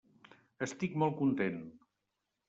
Estic molt content.